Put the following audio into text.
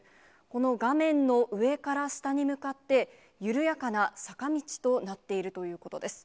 この画面の上から下に向かって、緩やかな坂道となっているということです。